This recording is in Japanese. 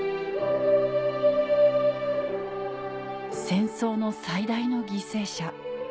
戦争の最大の犠牲者